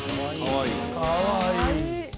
かわいい。